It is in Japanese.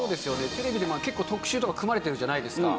テレビで結構特集とか組まれてるじゃないですか。